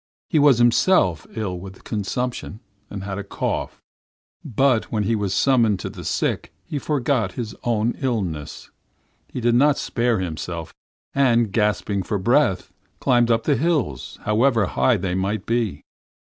He was himself ill with consumption, he had a cough, but when he was summoned to the sick he forgot his own illness he did not spare himself and, gasping for breath, climbed up the hills however high they might be.